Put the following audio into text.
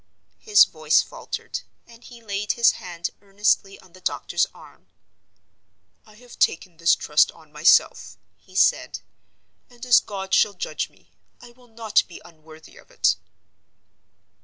His voice faltered, and he laid his hand earnestly on the doctor's arm. "I have taken this trust on myself," he said; "and as God shall judge me, I will not be unworthy of it!"